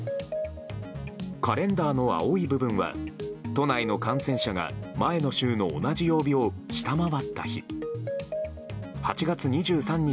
カレンダーの青い部分は都内の感染者が前の週の同じ曜日を下回った日。